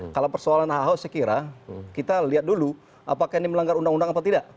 kalau persoalan ahok saya kira kita lihat dulu apakah ini melanggar undang undang apa tidak